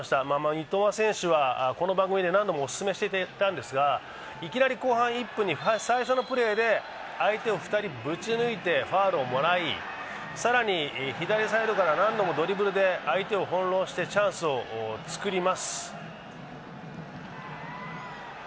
三笘選手はこの番組で何度もオススメしていたんですがいきなり後半１分に最初のプレーで相手を２人ぶち抜いてファウルをもらい、更に左サイドから何度もドリブルで相手を翻弄しチャンスを作ります。